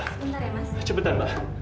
sebentar ya mas cepetan mbak